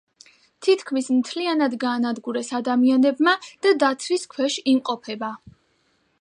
თითქმის მთლიანად გაანადგურეს ადამიანებმა და დაცვის ქვეშ იმყოფება.